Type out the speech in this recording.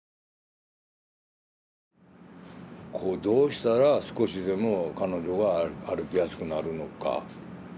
どうしたら少しでも彼女が歩きやすくなるのか。